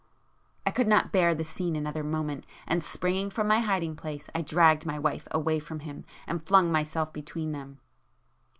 I could not bear the scene another moment, and springing from my hiding place, I dragged my wife away from him and flung myself between them.